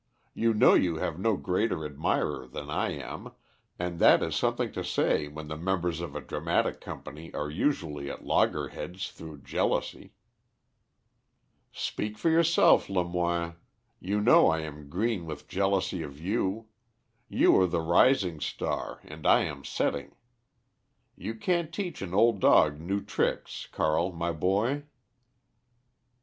You know you have no greater admirer than I am, and that is something to say when the members of a dramatic company are usually at loggerheads through jealousy." "Speak for yourself, Lemoine. You know I am green with jealousy of you. You are the rising star and I am setting. You can't teach an old dog new tricks, Carl, my boy."